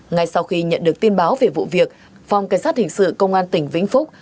ngay sau khi nhận được tin báo về vụ việc phòng cảnh sát hình sự công an tỉnh vĩnh phúc